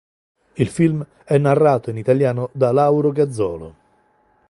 Il film è narrato in italiano da Lauro Gazzolo.